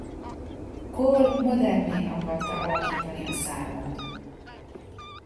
Cole modernné akarta alakítani a számot.